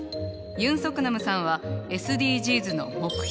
ユン・ソクナムさんはＳＤＧｓの目標